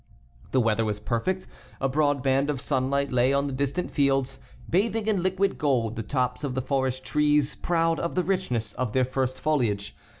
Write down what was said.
The weather was perfect. A broad band of sunlight lay on the distant fields, bathing in liquid gold the tops of the forest trees, proud of the richness of their first foliage.